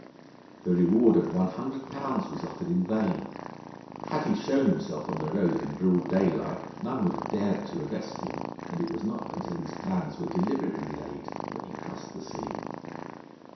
The reward of one hundred pounds was offered in vain. Had he shown himself on the road in broad daylight, none would have dared to arrest him, and it was not until his plans were deliberately laid, that he crossed the sea.